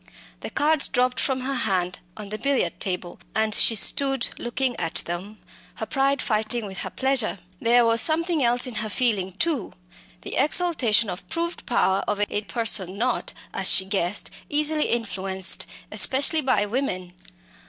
The cards dropped from her hand on the billiard table, and she stood looking at them, her pride fighting with her pleasure. There was something else in her feeling too the exultation of proved power over a person not, as she guessed, easily influenced, especially by women.